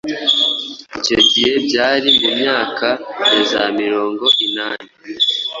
Icyo gihe byari mu myaka ya za mirongo inani